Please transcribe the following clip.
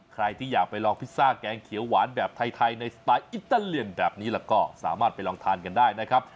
ใครที่อยากไปลองพิซซ่าแกงเขียวหวานแบบไทยในสไตล์อิตาเลียนแบบนี้แล้วก็สามารถไปลองทานกันได้นะครับ